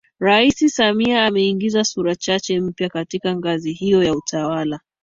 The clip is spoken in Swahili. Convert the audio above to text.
Rais Samia ameingiza sura chache mpya katika ngazi hiyo ya utawala